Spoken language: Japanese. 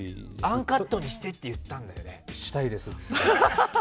アンカットにしてって言ったんだ。